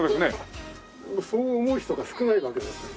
そう思う人が少ないわけですよね。